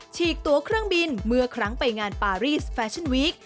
ฉีกตัวเครื่องบินเมื่อครั้งไปงานปารีสแฟชั่นวีค